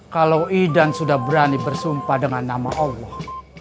kalau idan sudah berani bersumpah dengan nama allah